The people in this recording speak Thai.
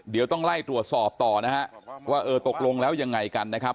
เดี๋ยวต้องไล่ตรวจสอบต่อนะฮะว่าเออตกลงแล้วยังไงกันนะครับ